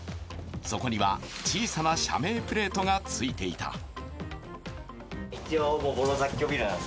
そこには小さな社名プレートがついていた。